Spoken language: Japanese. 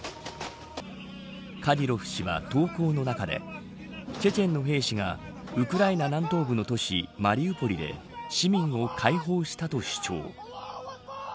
カディロフ氏は投稿の中でチェチェンの兵士がウクライナ南東部の都市マリウポリで市民を解放したと主張。